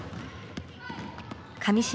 上島